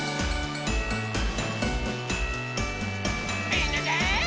みんなで。